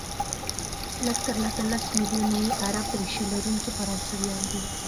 لږ تر لږه لس ملیونه یې عرب ریشه لرونکي فرانسویان دي،